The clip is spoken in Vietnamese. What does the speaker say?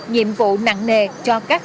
nhiệm vụ nặng nề cho các